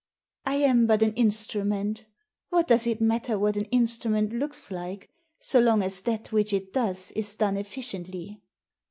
"I am but an instrument What does it matter what an instrument looks like, so long as that which it does is done efficiently